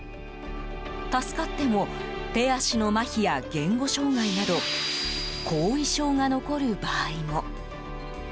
助かっても手足のまひや言語障害など後遺症が残る場合も。